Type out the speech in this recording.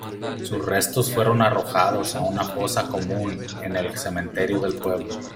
Sus restos fueron arrojados a una fosa común en el cementerio del pueblo.